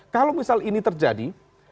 kalau misal ini terjadi